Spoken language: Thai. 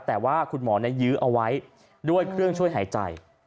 แต่ว่าคุณหมอยื้อเอาไว้ด้วยเครื่องช่วยหายใจ